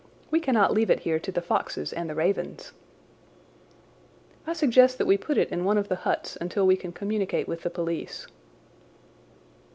We cannot leave it here to the foxes and the ravens." "I suggest that we put it in one of the huts until we can communicate with the police."